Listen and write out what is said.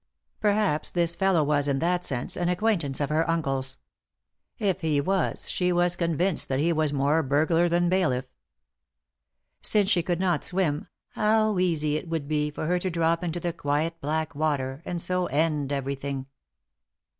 Perhaps this fellow was, in that sense, an acquaintance ot her uncle's. If he was L Ifll 3i 9 iii^d by Google THE INTERRUPTED KISS she was convinced that he was more burglar than bailiff. Since she could not swim, how easy it would be for her to drop into the quiet black water, and so end everything.